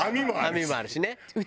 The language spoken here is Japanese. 網もあるしね。